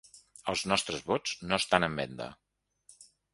Els nostres vots no estan en venda!